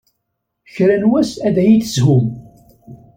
Kra n wass ad iyi-teshum.